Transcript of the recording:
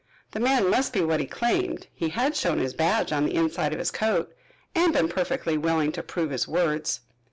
The man must be what he claimed, he had shown his badge on the inside of his coat, and been perfectly willing to prove his words.